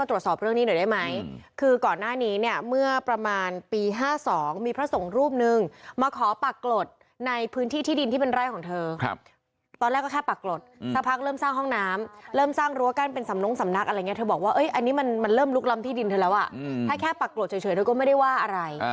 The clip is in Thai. ถ้าแค่ปากโกรธเฉยเขาก็ไม่ได้ว่าอะไร